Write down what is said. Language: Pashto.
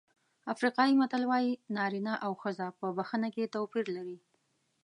افریقایي متل وایي نارینه او ښځه په بښنه کې توپیر لري.